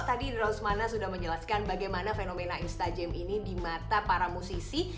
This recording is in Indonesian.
tadi rosmana sudah menjelaskan bagaimana fenomena instajam ini di mata para musisi